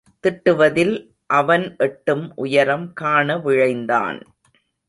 திட்டுவதில் அவன் எட்டும் உயரம் காண விழைந்தான்.